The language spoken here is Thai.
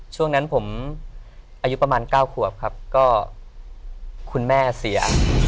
ช่วงนั้นผมอายุประมาณ๙ขวบครับก็คุณแม่เสีย